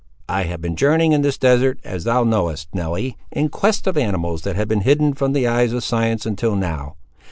"I have been journeying in this desert, as thou knowest, Nelly, in quest of animals that have been hidden from the eyes of science, until now.